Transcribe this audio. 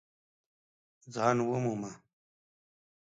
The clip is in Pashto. ځان ومومه !